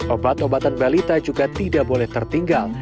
obat obatan balita juga tidak boleh tertinggal